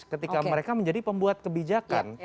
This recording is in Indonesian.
ketika mereka menjadi pembuat kebijakan